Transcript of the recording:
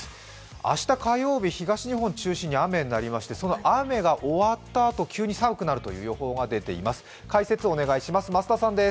明日火曜日東日本を中心に雨になりましてその雨が終わったあと、急に寒くなるという予報が出ています。